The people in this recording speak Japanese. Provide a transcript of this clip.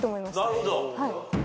なるほど。